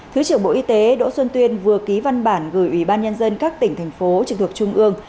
thứ trưởng bộ y tế đỗ xuân tuyên vừa ký văn bản gửi ủy ban nhân dân các tỉnh thành phố trực thuộc trung ương